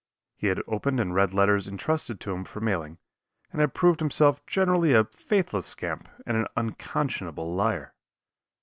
He had opened and read letters intrusted to him for mailing, and had proved himself generally a faithless scamp and an unconscionable liar.